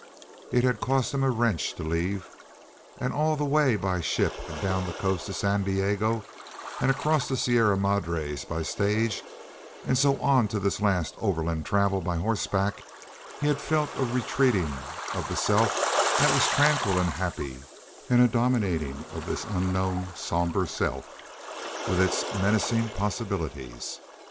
It had cost him a wrench to leave. And all the way by ship down the coast to San Diego and across the Sierra Madres by stage, and so on to this last overland travel by horseback, he had felt a retreating of the self that was tranquil and happy and a dominating of this unknown somber self, with its menacing possibilities.